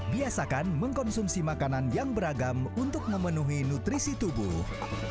biasakan mengkonsumsi makanan yang beragam untuk memenuhi nutrisi tubuh